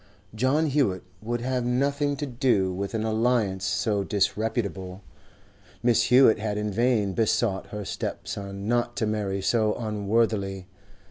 John Hewett would have nothing to do with an alliance so disreputable; Mrs. Hewett had in vain besought her stepson not to marry so unworthily.